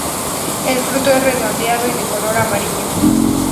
El fruto es redondeado y de color amarillo.